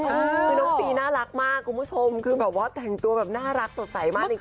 คือน้องตีน่ารักมากคุณผู้ชมคือแบบว่าแต่งตัวแบบน่ารักสดใสมากจริง